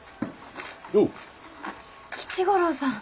吉五郎さん。